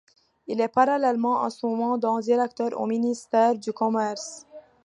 Il est parallèlement à son mandat, directeur au ministère du Commerce.